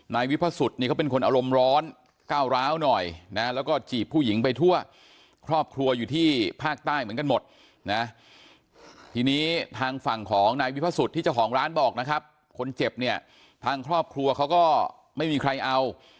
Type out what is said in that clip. นายวิพสุทธินี่เขาเป็นคนอารมณ์ร้อนก้าวร้าวหน่อยนะแล้วก็จีบผู้หญิงไปทั่วครอบครัวอยู่ที่ภาคใต้เหมือนกันหมดนะทีนี้ทางฝั่งของนายวิพสุทธิ์เจ้าของร้านบอกนะครับคนเจ็บเนี่ยทางครอบครัวเขาก็ไม่มีใครเอา